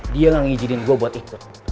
dia gak ngijinin gue buat ikut